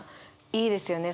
いいですよね。